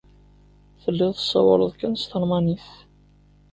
Telliḍ tessawaleḍ kan s talmanit.